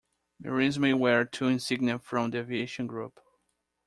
Marines may wear two insignia from the aviation group.